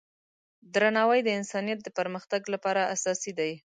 درناوی د انسانیت د پرمختګ لپاره اساسي دی.